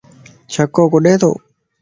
چھڪو ڪڏي تو؟